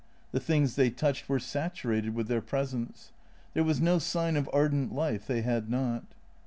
The things they touched were saturated with their presence. There was no sign of ardent life they had not.